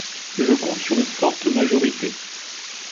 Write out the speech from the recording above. Je compte sur une forte majorité.